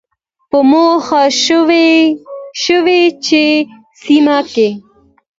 په موخه شوې چې سیمه کې